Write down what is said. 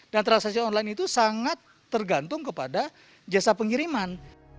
dan transaksi online itu sangat tergantung kepada jasa pengiriman